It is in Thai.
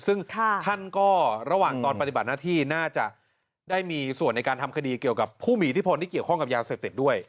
ซึ่งท่านก็ระหว่างตอนปฏิบัติหน้าที่น่าจะได้มีส่วนในการทำคดีเกี่ยวกับผู้มีอิทธิพลที่เกี่ยวข้องกับยาเสพติดด้วย